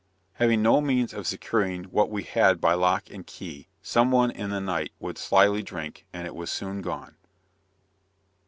Having no means of securing what we had by lock and key, some one in the night would slyly drink, and it was soon gone.